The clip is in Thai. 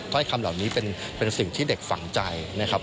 ้อยคำเหล่านี้เป็นสิ่งที่เด็กฝังใจนะครับ